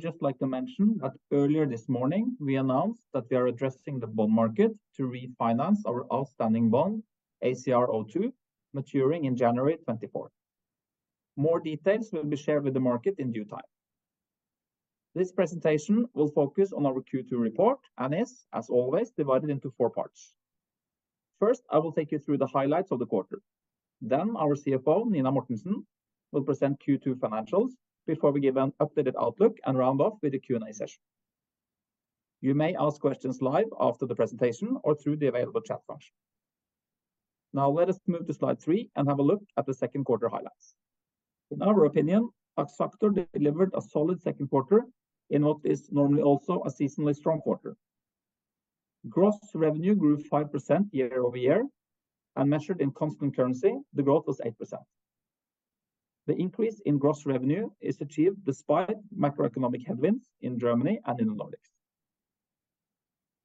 I'd just like to mention that earlier this morning, we announced that we are addressing the bond market to refinance our outstanding bond, ACR02, maturing in January 2024. More details will be shared with the market in due time. This presentation will focus on our Q2 report and is, as always, divided into four parts. First, I will take you through the highlights of the quarter. Our CFO, Nina Mortensen, will present Q2 financials before we give an updated outlook and round off with a Q&A session. You may ask questions live after the presentation or through the available chat function. Now, let us move to slide three and have a look at the second quarter highlights. In our opinion, Axactor delivered a solid second quarter in what is normally also a seasonally strong quarter. Gross revenue grew 5% year-over-year, and measured in constant currency, the growth was 8%. The increase in gross revenue is achieved despite macroeconomic headwinds in Germany and in the Nordics.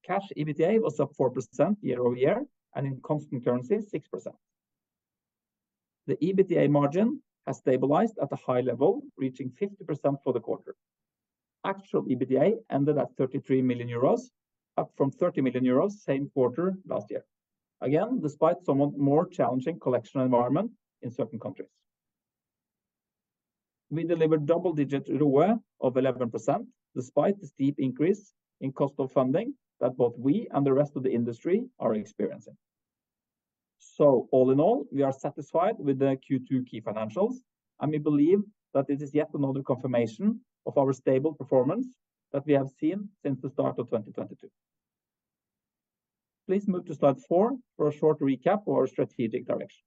Cash EBITDA was up 4% year-over-year, and in constant currency, 6%. The EBITDA margin has stabilized at a high level, reaching 50% for the quarter. Actual EBITDA ended at 33 million euros, up from 30 million euros same quarter last year. Again, despite somewhat more challenging collection environment in certain countries. We delivered double-digit ROA of 11%, despite the steep increase in cost of funding that both we and the rest of the industry are experiencing. All in all, we are satisfied with the Q2 key financials, and we believe that this is yet another confirmation of our stable performance that we have seen since the start of 2022. Please move to slide 4 for a short recap of our strategic direction.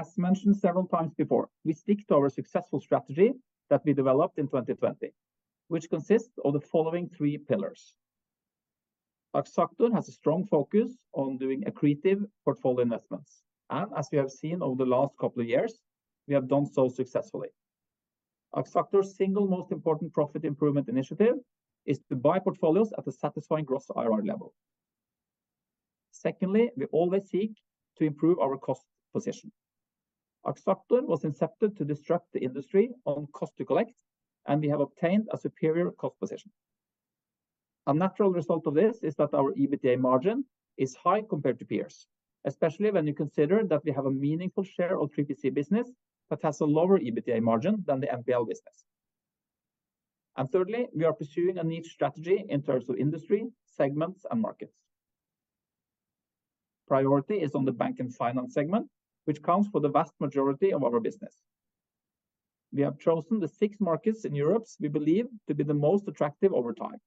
As mentioned several times before, we stick to our successful strategy that we developed in 2020, which consists of the following three pillars. Axactor has a strong focus on doing accretive portfolio investments, and as we have seen over the last couple of years, we have done so successfully. Axactor's single most important profit improvement initiative is to buy portfolios at a satisfying Gross IRR level. Secondly, we always seek to improve our cost position. Axactor was incepted to disrupt the industry on Cost to Collect, and we have obtained a superior cost position. A natural result of this is that our EBITDA margin is high compared to peers, especially when you consider that we have a meaningful share of 3PC business that has a lower EBITDA margin than the NPL business. Thirdly, we are pursuing a niche strategy in terms of industry, segments, and markets. Priority is on the bank and finance segment, which counts for the vast majority of our business. We have chosen the six markets in Europe we believe to be the most attractive over time.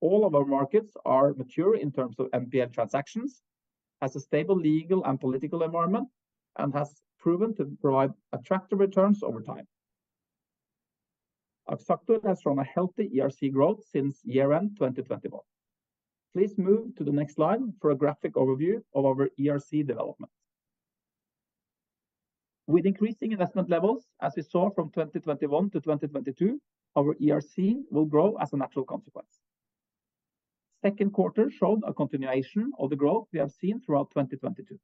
All of our markets are mature in terms of NPL transactions, has a stable legal and political environment, and has proven to provide attractive returns over time. Axactor has shown a healthy ERC growth since year-end 2021. Please move to the next slide for a graphic overview of our ERC development. With increasing investment levels, as we saw from 2021 to 2022, our ERC will grow as a natural consequence. Q2 showed a continuation of the growth we have seen throughout 2022.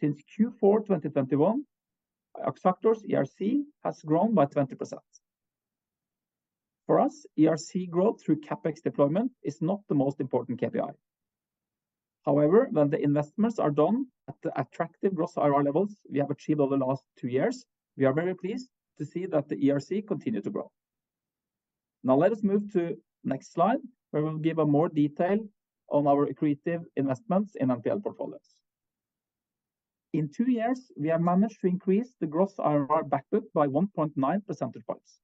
Since Q4 2021, Axactor's ERC has grown by 20%. For us, ERC growth through CapEx deployment is not the most important KPI. However, when the investments are done at the attractive Gross IRR levels we have achieved over the last two years, we are very pleased to see that the ERC continue to grow. Now, let us move to next slide, where we will give a more detail on our accretive investments in NPL portfolios. In two years, we have managed to increase the Gross IRR backbook by 1.9 percentage points.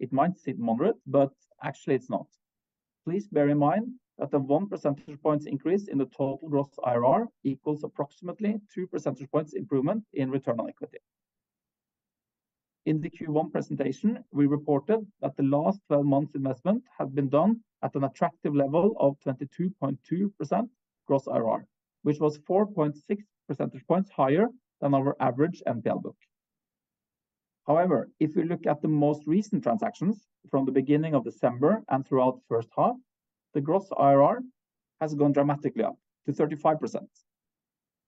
It might seem moderate, but actually, it's not. Please bear in mind that the one percentage points increase in the total Gross IRR equals approximately two percentage points improvement in Return on Equity. In the Q1 presentation, we reported that the last 12 months' investment had been done at an attractive level of 22.2% Gross IRR, which was 4.6 percentage points higher than our average NPL book. If we look at the most recent transactions from the beginning of December and throughout the first half, the Gross IRR has gone dramatically up to 35%,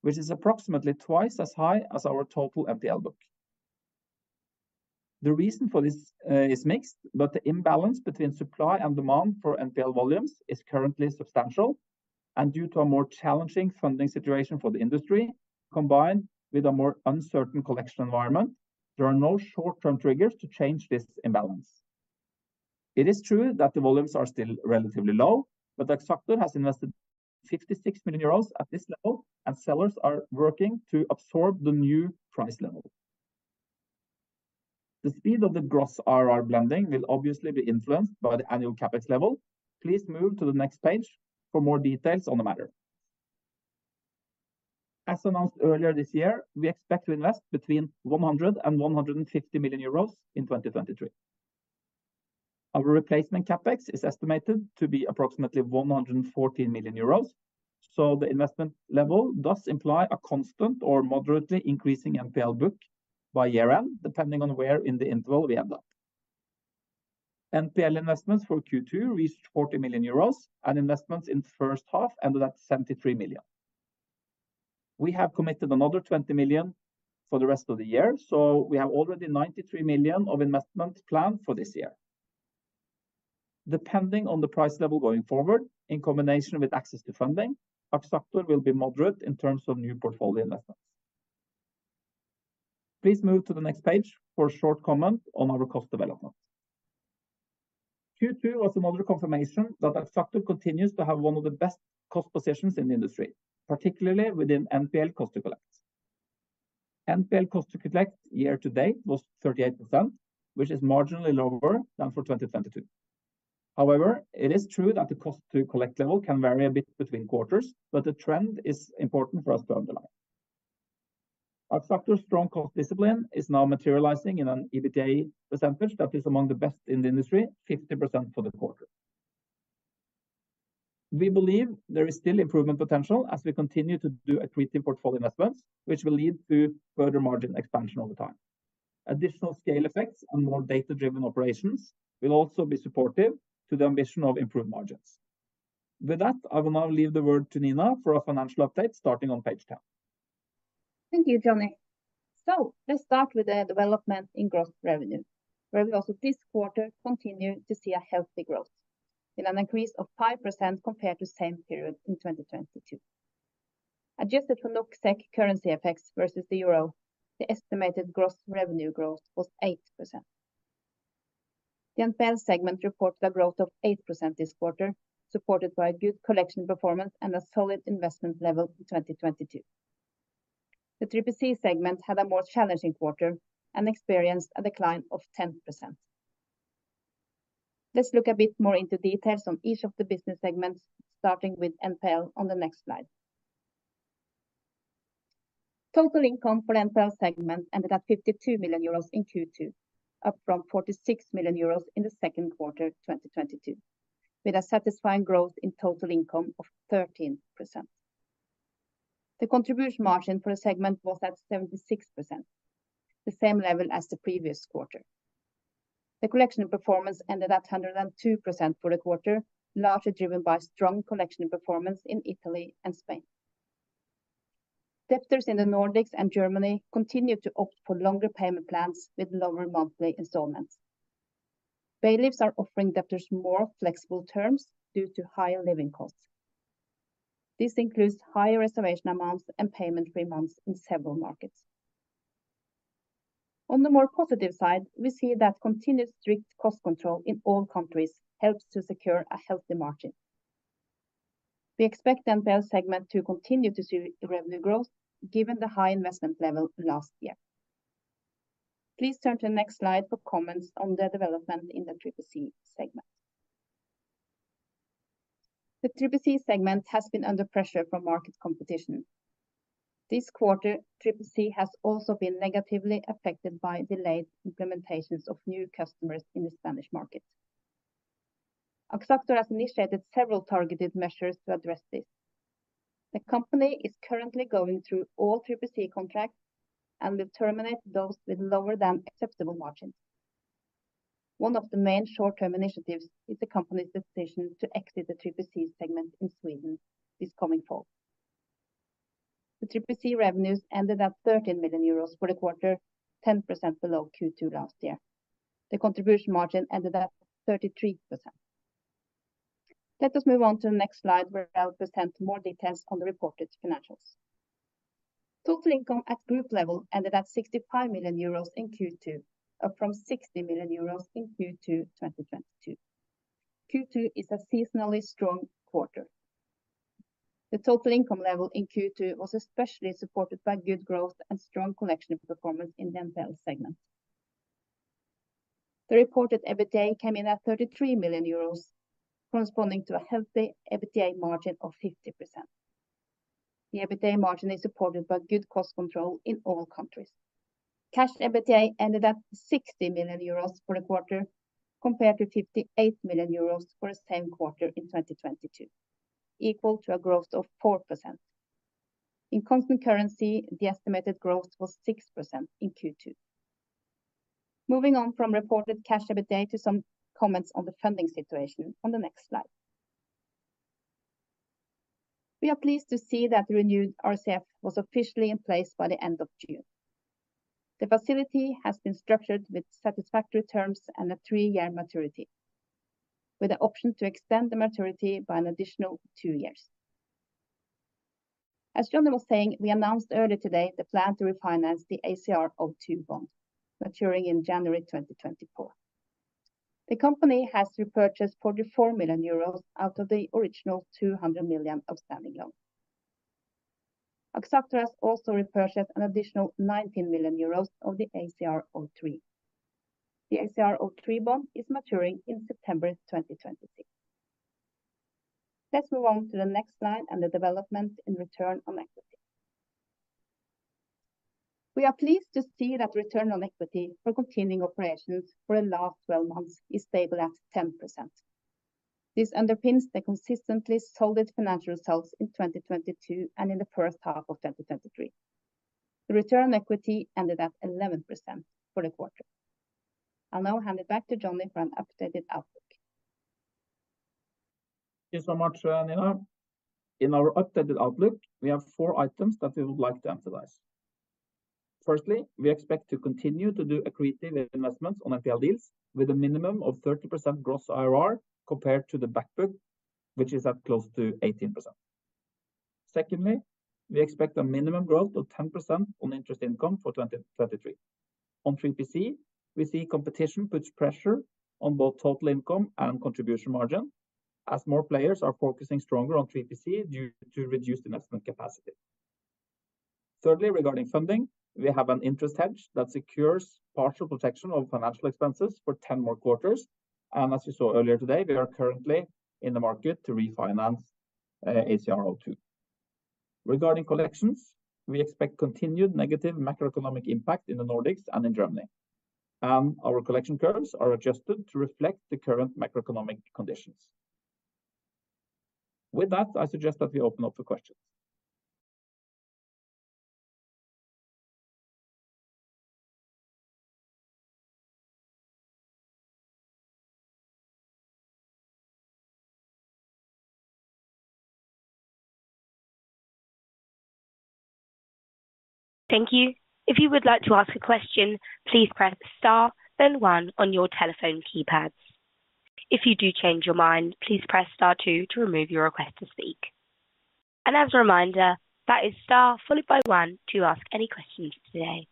which is approximately twice as high as our total NPL book. The reason for this is mixed, but the imbalance between supply and demand for NPL volumes is currently substantial, and due to a more challenging funding situation for the industry, combined with a more uncertain collection environment, there are no short-term triggers to change this imbalance. It is true that the volumes are still relatively low, but Axactor has invested 56 million euros at this level, and sellers are working to absorb the new price level. The speed of the Gross IRR blending will obviously be influenced by the annual CapEx level. Please move to the next page for more details on the matter. As announced earlier this year, we expect to invest between 100 million-150 million euros in 2023. Our replacement CapEx is estimated to be approximately 114 million euros, the investment level does imply a constant or moderately increasing NPL book by year-end, depending on where in the interval we end up. NPL investments for Q2 reached 40 million euros, investments in the first half ended at 73 million. We have committed another 20 million for the rest of the year, we have already 93 million of investment plan for this year. Depending on the price level going forward, in combination with access to funding, Axactor will be moderate in terms of new portfolio investments. Please move to the next page for a short comment on our cost development. Q2 was another confirmation that Axactor continues to have one of the best cost positions in the industry, particularly within NPL Cost to Collect. NPL Cost to Collect year to date was 38%, which is marginally lower than for 2022. It is true that the Cost to Collect level can vary a bit between quarters, but the trend is important for us to underline. Axactor's strong cost discipline is now materializing in an EBITDA percentage that is among the best in the industry, 50% for the quarter. We believe there is still improvement potential as we continue to do accretive portfolio investments, which will lead to further margin expansion over time. Additional scale effects and more data-driven operations will also be supportive to the ambition of improved margins. I will now leave the word to Nina for a financial update, starting on page 10. Thank you, Johnny. Let's start with the development in gross revenue, where we also this quarter continue to see a healthy growth with an increase of 5% compared to the same period in 2022. Adjusted for NOK/SEK currency effects versus the euro, the estimated gross revenue growth was 8%. The NPL segment reported a growth of 8% this quarter, supported by a good collection performance and a solid investment level in 2022. The 3PC segment had a more challenging quarter and experienced a decline of 10%. Let's look a bit more into details on each of the business segments, starting with NPL on the next slide. Total income for NPL segment ended at 52 million euros in Q2, up from 46 million euros in the second quarter of 2022, with a satisfying growth in total income of 13%. The contribution margin for the segment was at 76%, the same level as the previous quarter. The collection performance ended at 102% for the quarter, largely driven by strong collection performance in Italy and Spain. Debtors in the Nordics and Germany continued to opt for longer payment plans with lower monthly installments. Bailiffs are offering debtors more flexible terms due to higher living costs. This includes higher reservation amounts and payment-free months in several markets. On the more positive side, we see that continued strict cost control in all countries helps to secure a healthy margin. We expect the NPL segment to continue to see revenue growth, given the high investment level last year. Please turn to the next slide for comments on the development in the Triple C segment. The Triple C segment has been under pressure from market competition. This quarter, Triple C has also been negatively affected by delayed implementations of new customers in the Spanish market. Axactor has initiated several targeted measures to address this. The company is currently going through all Triple C contracts and will terminate those with lower than acceptable margins. One of the main short-term initiatives is the company's decision to exit the Triple C segment in Sweden this coming fall. The Triple C revenues ended at 13 million euros for the quarter, 10% below Q2 last year. The contribution margin ended at 33%. Let us move on to the next slide, where I'll present more details on the reported financials. Total income at group level ended at 65 million euros in Q2, up from 60 million euros in Q2 2022. Q2 is a seasonally strong quarter. The total income level in Q2 was especially supported by good growth and strong collection performance in the NPL segment. The reported EBITDA came in at 33 million euros, corresponding to a healthy EBITDA margin of 50%. The EBITDA margin is supported by good cost control in all countries. Cash EBITDA ended at 60 million euros for the quarter, compared to 58 million euros for the same quarter in 2022, equal to a growth of 4%. In constant currency, the estimated growth was 6% in Q2. Moving on from reported Cash EBITDA to some comments on the funding situation on the next slide. We are pleased to see that the renewed RCF was officially in place by the end of June. The facility has been structured with satisfactory terms and a three-year maturity, with the option to extend the maturity by an additional two years. As Johnny was saying, we announced earlier today the plan to refinance the ACR02 bond, maturing in January 2024. The company has repurchased 44 million euros out of the original 200 million outstanding loan. Axactor has also repurchased an additional 19 million euros of the ACR03. The ACR03 bond is maturing in September 2026. Let's move on to the next slide and the development in Return on Equity. We are pleased to see that Return on Equity for continuing operations for the last 12 months is stable at 10%. This underpins the consistently solid financial results in 2022 and in the first half of 2023. The Return on Equity ended at 11% for the quarter. I'll now hand it back to Johnny for an updated outlook. Thank you so much, Nina. In our updated outlook, we have four items that we would like to emphasize. Firstly, we expect to continue to do accretive investments on NPL deals with a minimum of 30% Gross IRR compared to the back book, which is at close to 18%. Secondly, we expect a minimum growth of 10% on interest income for 2023. On 3PC, we see competition puts pressure on both total income and Contribution Margin, as more players are focusing stronger on 3PC due to reduced investment capacity. Thirdly, regarding funding, we have an interest hedge that secures partial protection of financial expenses for 10 more quarters. As you saw earlier today, we are currently in the market to refinance, ACR02. Regarding collections, we expect continued negative macroeconomic impact in the Nordics and in Germany. Our collection curves are adjusted to reflect the current macroeconomic conditions. With that, I suggest that we open up for questions. Thank you. If you would like to ask a question, please press star, then one on your telephone keypads. If you do change your mind, please press star two to remove your request to speak. As a reminder, that is star followed by one to ask any questions today.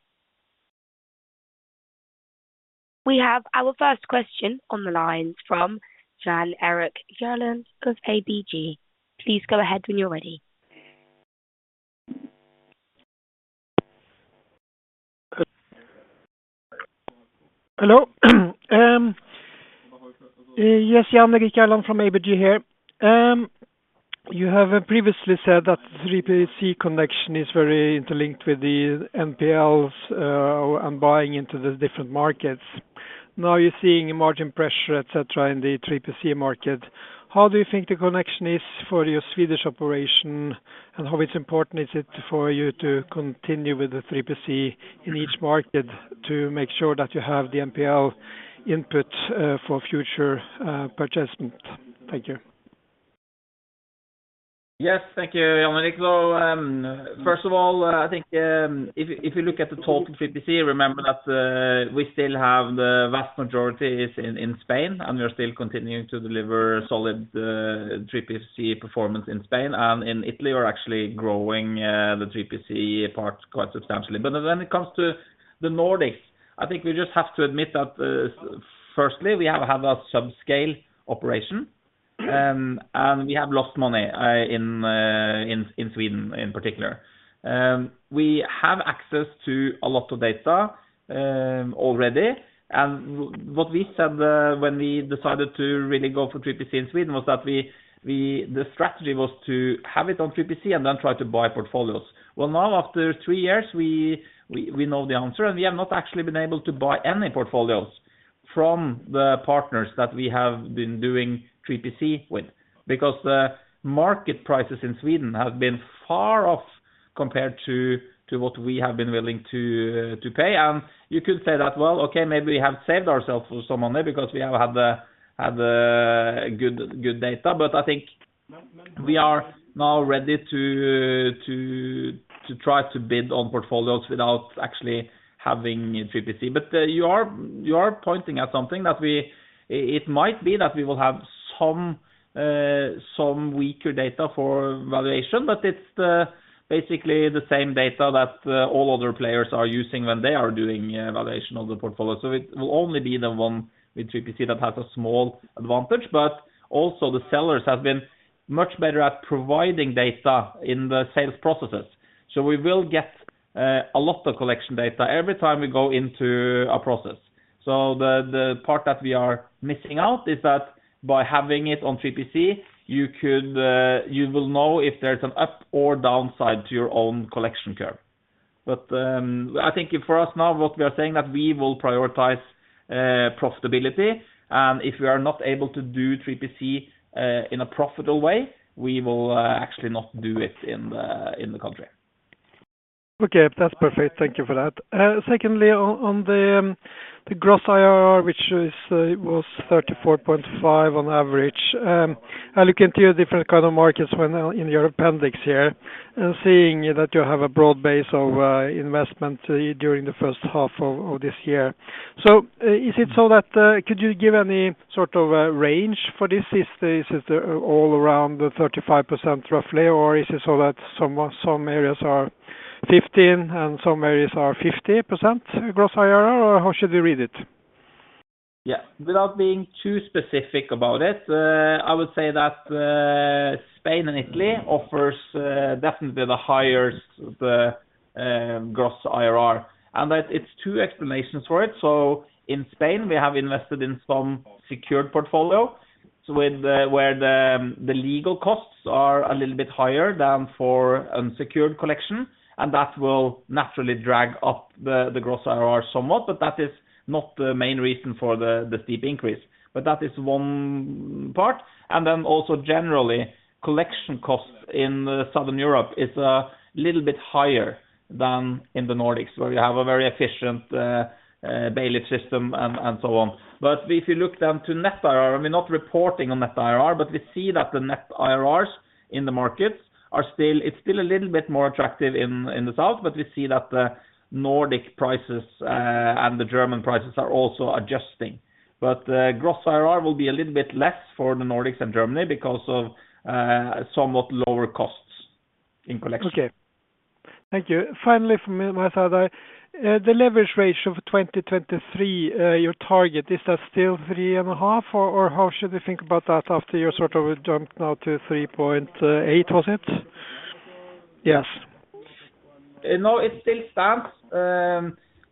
We have our first question on the line from Jan Erik Gjerland of ABG. Please go ahead when you're ready. Hello. Yes, Jan Erik Gjerland from ABG here. You have previously said that 3PC connection is very interlinked with the NPLs, and buying into the different markets. Now, you're seeing margin pressure, et cetera, in the 3PC market. How do you think the connection is for your Swedish operation, and how it's important is it for you to continue with the 3PC in each market to make sure that you have the NPL input for future participant? Thank you. Yes. Thank you, Jan Erik. First of all, I think, if, if you look at the total 3PC, remember that we still have the vast majority is in Spain, and we are still continuing to deliver solid 3PC performance in Spain, and in Italy, we're actually growing the 3PC part quite substantially. When it comes to the Nordics, I think we just have to admit that firstly, we have a subscale operation, and we have lost money in Sweden in particular. We have access to a lot of data already, and what we said when we decided to really go for 3PC in Sweden was that we the strategy was to have it on 3PC and then try to buy portfolios. Well, now, after three years, we, we, we know the answer, and we have not actually been able to buy any portfolios from the partners that we have been doing 3PC with, because the market prices in Sweden have been far off compared to, to what we have been willing to pay. You could say that, well, okay, maybe we have saved ourselves for some money because we have had the, had the good, good data, but I think we are now ready to, to, to try to bid on portfolios without actually having 3PC. You are, you are pointing at something that we. It might be that we will have some weaker data for valuation, but it's the, basically the same data that all other players are using when they are doing valuation of the portfolio. It will only be the one with 3PC that has a small advantage, but also the sellers have been much better at providing data in the sales processes. We will get a lot of collection data every time we go into a process. The, the part that we are missing out is that by having it on 3PC, you could, you will know if there's an up or downside to your own collection curve. I think for us now, what we are saying that we will prioritize profitability, and if we are not able to do 3PC in a profitable way, we will actually not do it in the country. Okay, that's perfect. Thank you for that. Secondly, on, on the Gross IRR, which is, was 34.5 on average. I look into your different kind of markets when in your appendix here, and seeing that you have a broad base of investment during the first half of this year. Is it so that, could you give any sort of range for this? Is this, is it all around the 35%, roughly, or is it so that some, some areas are 15, and some areas are 50% Gross IRR, or how should we read it? Yeah. Without being too specific about it, I would say that Spain and Italy offers definitely the highest gross IRR, and that it's two explanations for it. In Spain, we have invested in some secured portfolio, where the legal costs are a little bit higher than for unsecured collection, and that will naturally drag up the gross IRR somewhat, but that is not the main reason for the steep increase. That is one part. Also, generally, collection costs in Southern Europe is a little bit higher than in the Nordics, where you have a very efficient bailiff system and so on. If you look down to net IRR, I mean, not reporting on net IRR, but we see that the net IRRs in the markets are still, it's still a little bit more attractive in, in the south, but we see that the Nordic prices and the German prices are also adjusting. Gross IRR will be a little bit less for the Nordics and Germany because of somewhat lower costs in collection. Okay. Thank you. Finally, from me, my side, the leverage ratio of 2023, your target, is that still 3.5, or, or how should we think about that after you sort of jumped now to 3.8, was it? Yes. No, it still stands.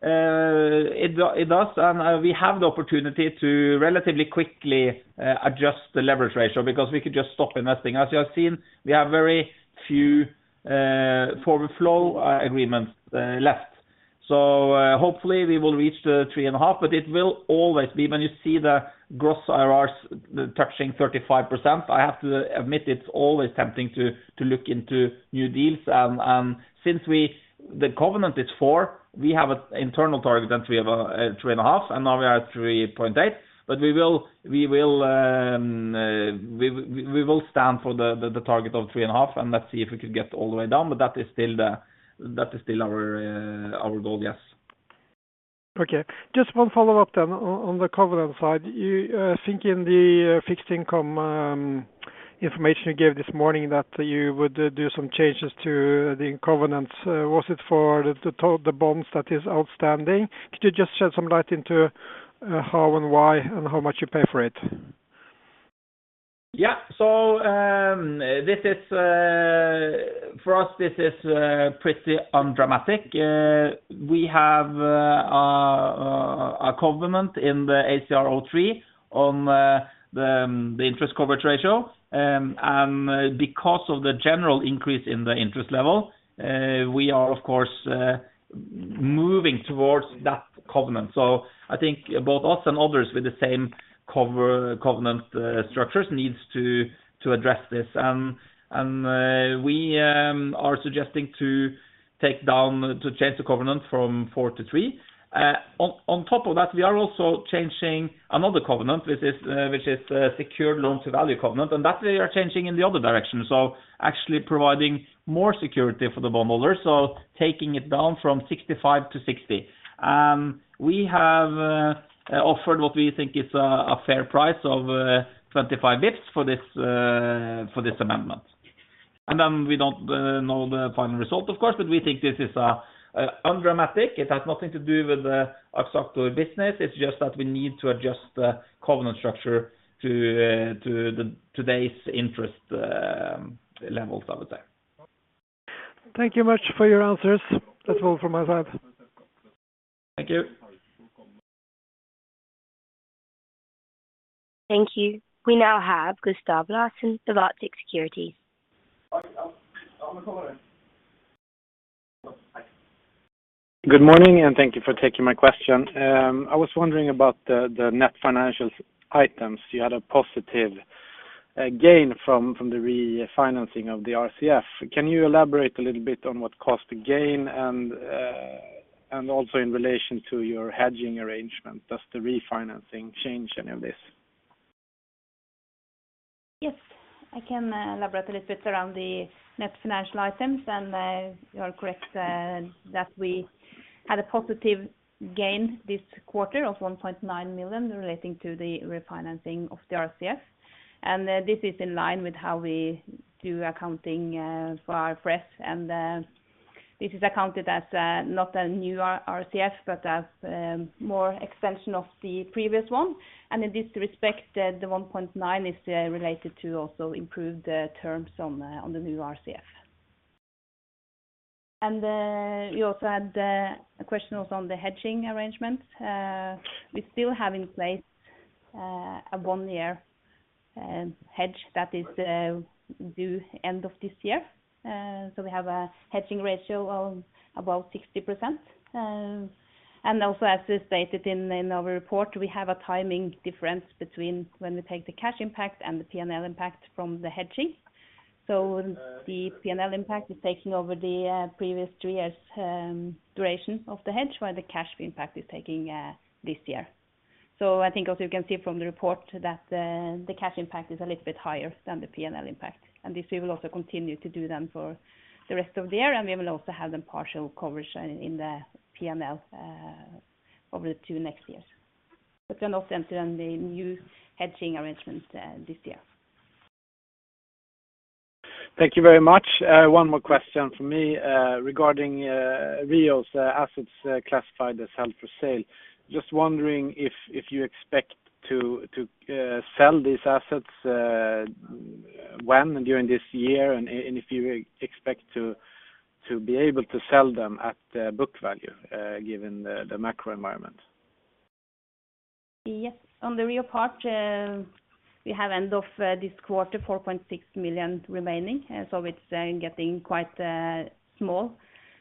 It does, and we have the opportunity to relatively quickly adjust the leverage ratio because we could just stop investing. As you have seen, we have very few forward flow agreements left. Hopefully we will reach the 3.5, but it will always be when you see the Gross IRRs touching 35%, I have to admit, it's always tempting to look into new deals. Since the covenant is four, we have an internal target, and we have 3.5, and now we are at 3.8. We will stand for the target of 3.5, and let's see if we can get all the way down. That is still the, that is still our, our goal, yes. Okay. Just one follow-up then, on the covenant side. You think in the fixed income information you gave this morning, that you would do some changes to the covenants. Was it for the bonds that is outstanding? Could you just shed some light into how and why, and how much you pay for it? Yeah. This is for us, this is pretty undramatic. We have a covenant in the ACR03 on the interest coverage ratio. Because of the general increase in the interest level, we are, of course, moving towards that covenant. I think both us and others with the same covenant structures needs to address this. We are suggesting to take down, to change the covenant from four to three. On top of that, we are also changing another covenant, which is which is secured loan-to-value covenant, and that we are changing in the other direction. Actually providing more security for the bondholders, taking it down from 65 to 60. We have offered what we think is a fair price of 25 bips for this for this amendment. We don't know the final result, of course, but we think this is undramatic. It has nothing to do with the actual business. It's just that we need to adjust the covenant structure to the today's interest levels, I would say. Thank you much for your answers. That's all from my side. Thank you. Thank you. We now have Håkon Reistad Fure of Arctic Securities. Good morning, thank you for taking my question. I was wondering about the net financial items. You had a positive gain from the refinancing of the RCF. Can you elaborate a little bit on what caused the gain? Also in relation to your hedging arrangement, does the refinancing change any of this? Yes, I can elaborate a little bit around the net financial items, and you are correct that we had a positive gain this quarter of 1.9 million relating to the refinancing of the RCF. This is in line with how we do accounting for our press, and this is accounted as not a new RCF, but as more extension of the previous one. In this respect, the 1.9 is related to also improved terms on the new RCF. You also had a question also on the hedging arrangements. We still have in place a one-year hedge that is due end of this year. We have a hedging ratio of about 60%. Also, as we stated in our report, we have a timing difference between when we take the cash impact and the PNL impact from the hedging. The PNL impact is taking over the previous 3 years duration of the hedge, while the cash impact is taking this year. I think as you can see from the report, that the cash impact is a little bit higher than the PNL impact, and this we will also continue to do then for the rest of the year, and we will also have the partial coverage in the PNL over the two next years. We can also enter in the new hedging arrangements this year. Thank you very much. One more question from me, regarding REO assets, classified as held for sale. Just wondering if, if you expect to, to sell these assets, when during this year, and if you expect to, to be able to sell them at, book value, given the, the macro environment? Yes. On the REO part, we have end of this quarter, 4.6 million remaining, so it's getting quite small.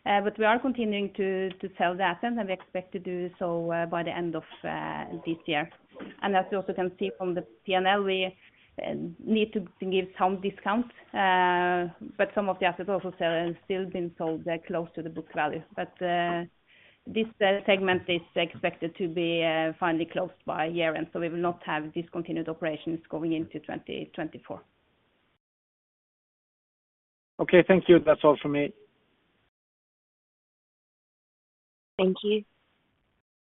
We are continuing to sell the assets, and we expect to do so by the end of this year. As you also can see from the PNL, we need to give some discount, but some of the assets also still been sold close to the book value. This segment is expected to be finally closed by year-end, so we will not have discontinued operations going into 2024. Okay, thank you. That's all for me. Thank you.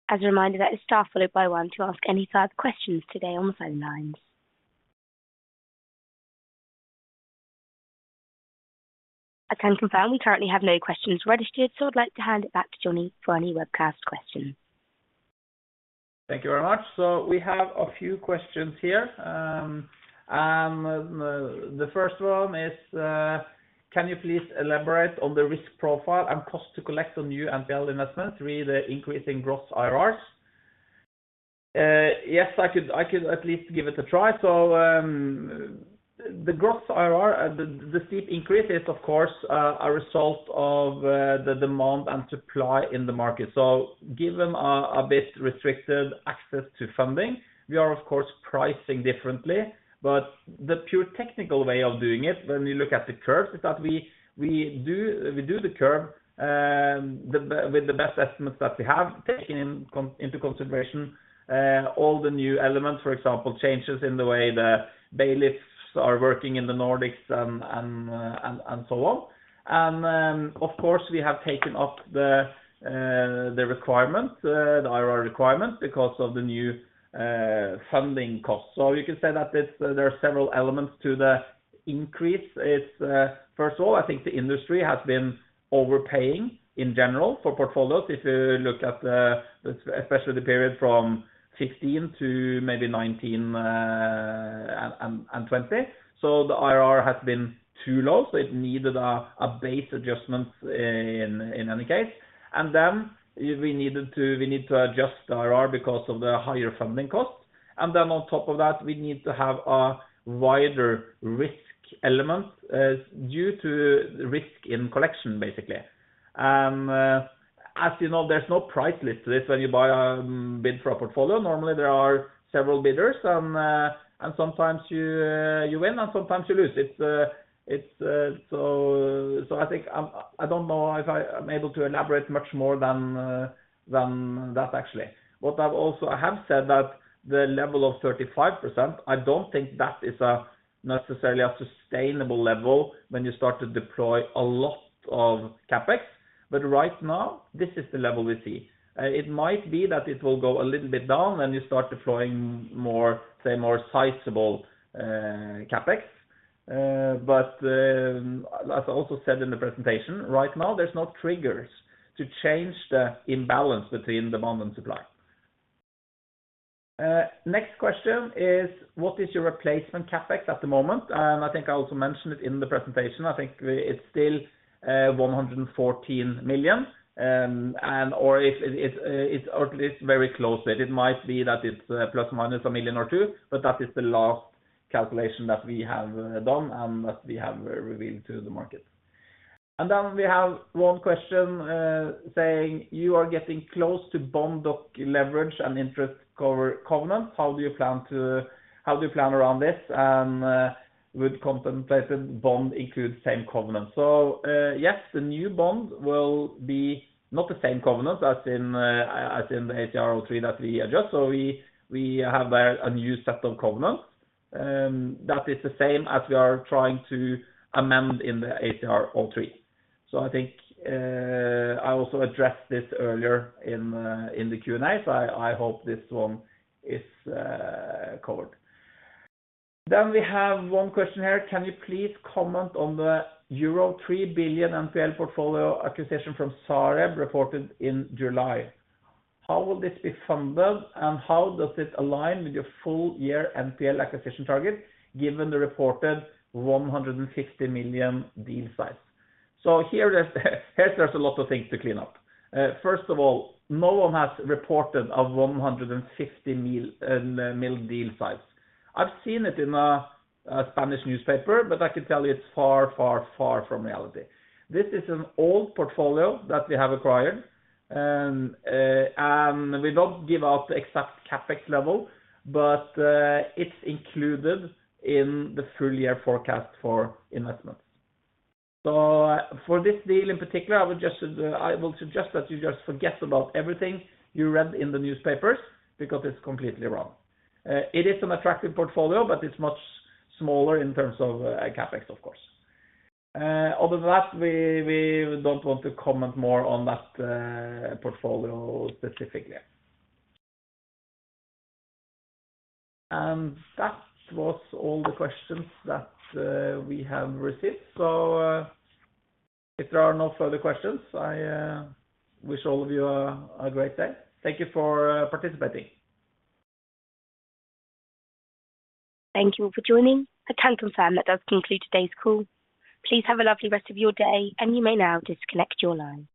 As a reminder, that is star followed by one to ask any further questions today on the phone lines. I can confirm we currently have no questions registered, so I'd like to hand it back to Johnny for any webcast questions. Thank you very much. We have a few questions here. The, the first one is, can you please elaborate on the risk profile and Cost to Collect on new NPL investments, re the increasing Gross IRRs? Yes, I could, I could at least give it a try. The Gross IRR, the, the steep increase is, of course, a result of, the demand and supply in the market. Given a bit restricted access to funding, we are, of course, pricing differently, but the pure technical way of doing it, when we look at the curves, is that we, we do, we do the curve with the best estimates that we have, taking into consideration all the new elements, for example, changes in the way the bailiffs are working in the Nordics and so on. Then, of course, we have taken up the requirements, the IRR requirements because of the new funding costs. You can say that there are several elements to the increase. It's, first of all, I think the industry has been overpaying in general for portfolios. If you look at the, especially the period from 15 to maybe 19 and 20. The IRR has been too low, so it needed a base adjustment in any case. We need to adjust the IRR because of the higher funding costs. On top of that, we need to have a wider risk element, due to risk in collection, basically. As you know, there's no price list to this when you buy, bid for a portfolio. Normally, there are several bidders, and sometimes you win, and sometimes you lose. It's, it's... I think, I don't know if I am able to elaborate much more than that, actually. I have said that the level of 35%, I don't think that is a necessarily a sustainable level when you start to deploy a lot of CapEx, but right now, this is the level we see. It might be that it will go a little bit down when you start deploying more, say, more sizable CapEx. As I also said in the presentation, right now, there's no triggers to change the imbalance between demand and supply. Next question is, what is your replacement CapEx at the moment? I think I also mentioned it in the presentation. I think it's still 114 million. Or if it's, or it is very close to it. It might be that it's plus minus 1 million or 2, but that is the last calculation that we have done and that we have revealed to the market. We have one question, saying, you are getting close to bond doc leverage and interest cover covenants. How do you plan around this? Would contemplated bond include same covenant? Yes, the new bond will be not the same covenant as in as in the ACR03 that we adjust. We, we have a new set of covenants that is the same as we are trying to amend in the ACR03. I think I also addressed this earlier in in the Q&A, I, I hope this one is covered. We have one question here: Can you please comment on the euro 3 billion NPL portfolio acquisition from Sareb reported in July? How will this be funded, and how does it align with your full year NPL acquisition target, given the reported 150 million deal size? There's a lot of things to clean up. First of all, no one has reported a 150 million million deal size. I've seen it in a Spanish newspaper, but I can tell you it's far, far, far from reality. This is an old portfolio that we have acquired, and we don't give out the exact CapEx level, but it's included in the full year forecast for investments. For this deal, in particular, I would just, I will suggest that you just forget about everything you read in the newspapers because it's completely wrong. It is an attractive portfolio, but it's much smaller in terms of CapEx, of course. Other than that, we, we don't want to comment more on that portfolio specifically. That was all the questions that we have received. If there are no further questions, I wish all of you a great day. Thank you for participating. Thank you all for joining. I can confirm that does conclude today's call. Please have a lovely rest of your day, and you may now disconnect your line.